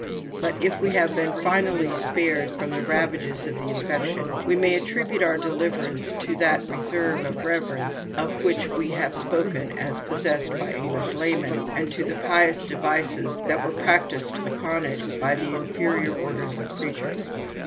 But if we have been finally spared from the ravages of the infection, we may attribute our deliverance to that reserve of reverence of which we have spoken as possessed by English laymen, and to the pious devices that were practised upon it by the inferior orders of preachers.